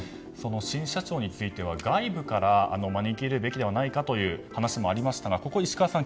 新社長については外部から招き入れるべきではないかという話もありましたが、石川さん